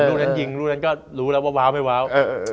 รูดนั้นจริงรูดนั้นก็รู้แล้ววาวไม่วาว